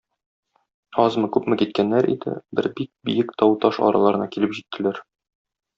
Азмы-күпме киткәннәр иде, бер бик биек тау-таш араларына килеп җиттеләр.